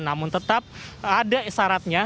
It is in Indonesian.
namun tetap ada syaratnya